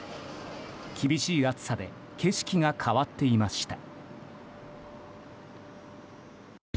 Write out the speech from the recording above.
厳しい暑さで景色が変わっていました。